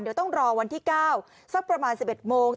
เดี๋ยวต้องรอวันที่๙สักประมาณ๑๑โมง